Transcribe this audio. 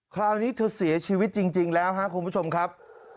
คราวนี้เธอเสียชีวิตจริงแล้วครับคุณผู้ชมครับ